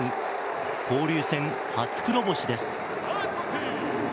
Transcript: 交流戦、初黒星です。